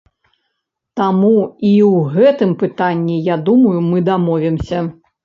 Таму і ў гэтым пытанні, я думаю, мы дамовімся.